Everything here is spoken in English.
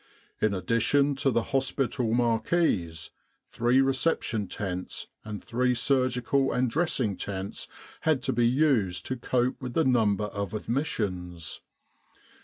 In addition to the hospital marquees, three reception tents and three surgical and dressing tents had to be used to cope with the number of admissions.